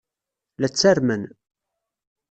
La ttarmen.